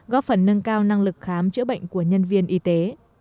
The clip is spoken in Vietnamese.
góp phần nâng cao năng lực khám chữa bệnh của nhân viên y tế